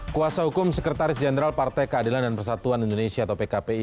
kuasa hukum sekretaris jenderal partai keadilan dan persatuan indonesia atau pkpi